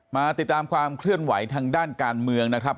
มาติดตามความเคลื่อนไหวทางด้านการเมืองนะครับ